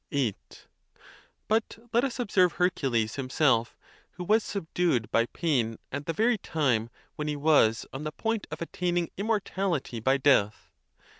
VIII. But let us observe Hercules himself, who was sub dued by pain at the very time when he was on the point 72 THE TUSCULAN DISPUTATIONS. of attaining immortality by death.